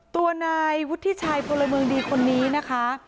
ตัวนายวุฒิชัยพลเมืองดีคนนี้นะคะ